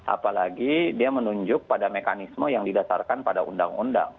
apalagi dia menunjuk pada mekanisme yang didasarkan pada undang undang